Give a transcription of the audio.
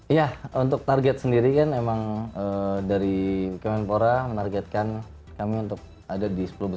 iya untuk target sendiri kan emang dari kemenpora menargetkan kami untuk ada di sepuluh besar